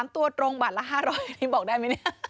ตัวตรงบาทละ๕๐๐นี่บอกได้ไหมเนี่ย